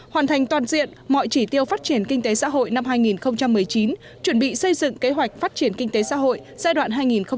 hoàn thành toàn diện mọi chỉ tiêu phát triển kinh tế xã hội năm hai nghìn một mươi chín chuẩn bị xây dựng kế hoạch phát triển kinh tế xã hội giai đoạn hai nghìn hai mươi một hai nghìn hai mươi năm